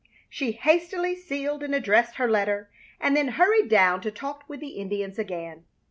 She hastily sealed and addressed her letter, and then hurried down to talk with the Indians again.